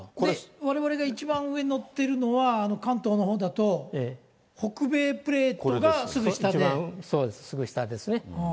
われわれが一番上に乗っているのは、関東のほうだと、北米プそうです、すぐ下ですね。